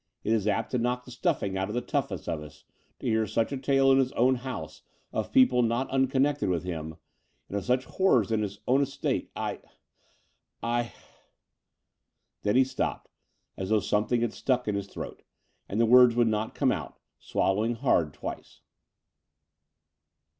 It is apt to knock the stuffing out of the toughest of us to hear such a tale in his own house of people not un connected with him, and of such horrors on his own little estate. I ... I ..." There he stopped, as though something had stuck in his throat and the words would not come out, swallowing hard twice.